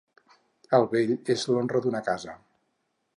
El vell és l'honra d'una casa.